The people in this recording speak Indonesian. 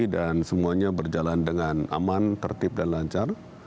dan semuanya berjalan dengan aman tertib dan lancar